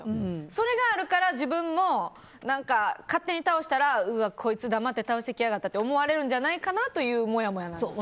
それがあるから自分も勝手に倒したらうわ、こいつ黙って倒してきやがったって思われるんじゃないかなというもやもやなんです。